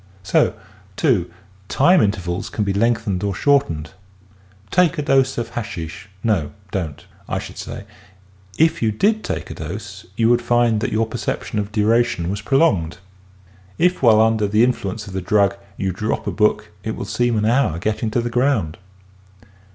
So, too, time intervals can be lengthened or short ened. Take a dose of hashish — no, don't — I should say, if you did take a dose you would find that your perception of duration was prolonged. If while under the influence of the drug you drop a book it will seem an hour getting to the ground.